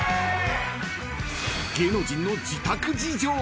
［芸能人の自宅事情］